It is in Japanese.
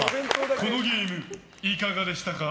このゲームいかがでしたか？